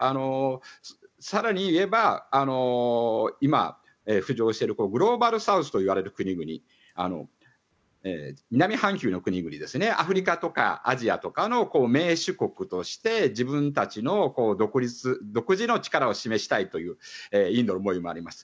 更に言えば、今、浮上しているグローバルサウスといわれる国々南半球の国々ですねアフリカとかアジアの盟主国として自分たちの独自の力を示したいというインドの思いもあります。